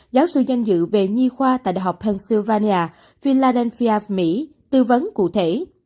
giáo sư danh dự về nhi khoa tại đại học pennsylvania philadelphia mỹ tư vấn cụ thể